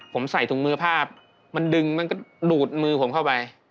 ผมใส่ถุงมือภาพมันดึงมันก็ดูดมือผมเข้าไป